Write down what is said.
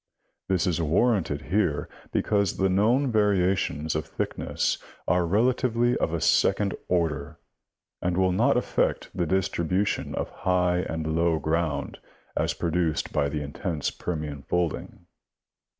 This is warranted here because the known variations of thickness are relatively of a second order, and will not affect the distribution of high and low ground as produced by the intense Permian folding.